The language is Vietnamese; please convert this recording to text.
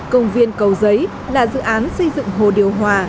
công viên cầu giấy là dự án xây dựng hồ điều hòa